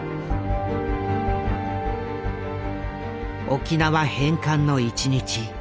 沖縄返還の１日。